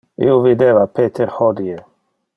Io videva Peter hodie.